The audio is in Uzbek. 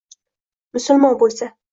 Musulmon bo‘lsa